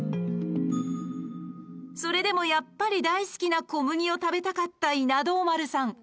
それでも、やっぱり大好きな小麦を食べたかった稲童丸さん。